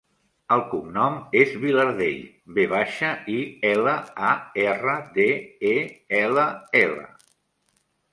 El cognom és Vilardell: ve baixa, i, ela, a, erra, de, e, ela, ela.